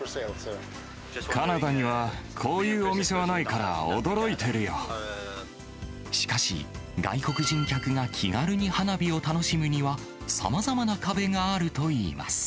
カナダにはこういうお店はなしかし、外国人客が気軽に花火を楽しむには、さまざまな壁があるといいます。